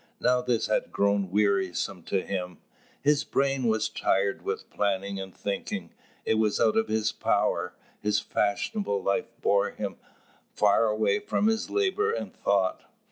Now this had grown wearisome to him. His brain was tired with planning and thinking. It was out of his power; his fashionable life bore him far away from labour and thought.